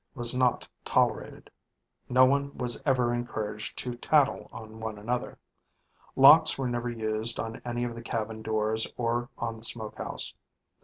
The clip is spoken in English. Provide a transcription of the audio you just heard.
was not tolerated. No one was ever encouraged to "tattle" on another. Locks were never used on any of the cabin doors or on the smokehouse.